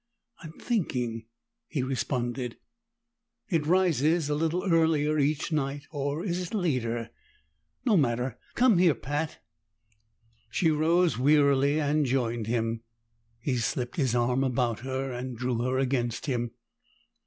"I'm thinking," he responded. "It rises a little earlier each night or is it later? No matter; come here, Pat." She rose wearily and joined him; he slipped his arm about her, and drew her against him.